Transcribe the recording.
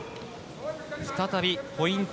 再びポイント